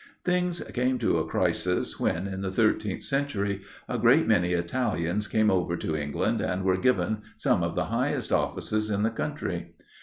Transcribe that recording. Things came to a crisis when, in the thirteenth century, a great many Italians came over to England, and were given some of the highest offices in the country.